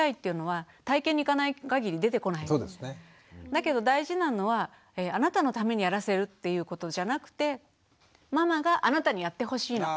だけど大事なのは「あなたのためにやらせる」っていうことじゃなくて「ママがあなたにやってほしいの。